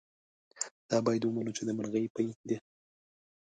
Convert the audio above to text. دا باید ومنو چې د مرغۍ پۍ ده.